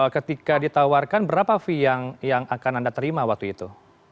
ketika ditawarkan berapa fee yang akan anda terima waktu itu